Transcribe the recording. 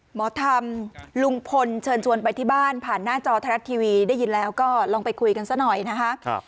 หมอธรรมลุงพลเชิญชวนไปที่บ้านผ่านหน้าจอไทยรัฐทีวีได้ยินแล้วก็ลองไปคุยกันซะหน่อยนะคะ